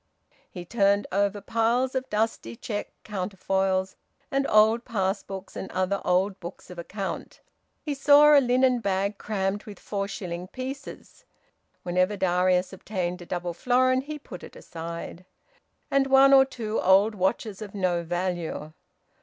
He turned over piles of dusty cheque counterfoils, and old pass books and other old books of account. He saw a linen bag crammed with four shilling pieces (whenever Darius obtained a double florin he put it aside), and one or two old watches of no value.